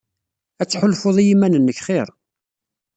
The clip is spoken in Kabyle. Ad tḥulfuḍ i yiman-nnek xir.